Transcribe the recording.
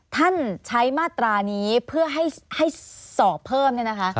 ท่านใช้มาตรานี้เพื่อให้สอบเพิ่ม